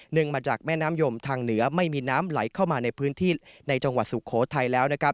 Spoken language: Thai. มาจากแม่น้ำยมทางเหนือไม่มีน้ำไหลเข้ามาในพื้นที่ในจังหวัดสุโขทัยแล้วนะครับ